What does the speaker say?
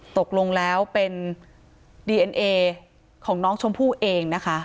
ตกลงแล้วเป็นดีเอ็นเอของน้องชมพู่เองนะคะ